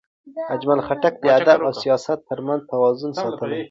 اجمل خټک د ادب او سیاست ترمنځ توازن ساتلی.